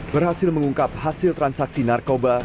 berhasil mengungkap hasil transaksi narkoba